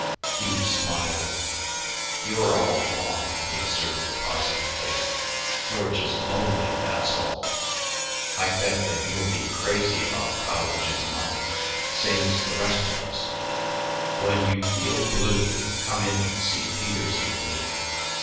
Hugh smiled. "You're all wrong," he asserted positively. "You're just lonely; that's all. I bet that you'll be crazy about college in a month same as the rest of us. When you feel blue, come in and see Peters and me.